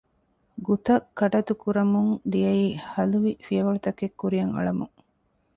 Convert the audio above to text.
ގުތައް ކަޑަތުކުރަމުން ދިޔައީ ހަލުވި ފިޔަވަޅުތަކެއް ކުރިއަށް އަޅަމުން